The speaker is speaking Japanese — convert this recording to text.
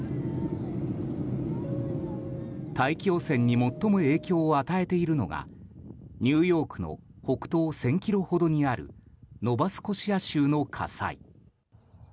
大気汚染に最も影響を与えているのがニューヨークの北東１０００ｋｍほどにあるノバスコシア州の火災。